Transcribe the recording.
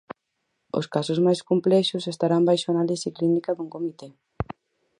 Os casos máis complexos estarán baixo a análise clínica dun comité.